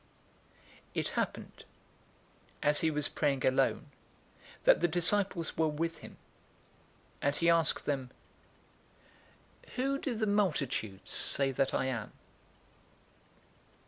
009:018 It happened, as he was praying alone, that the disciples were with him, and he asked them, "Who do the multitudes say that I am?"